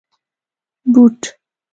👞 بوټ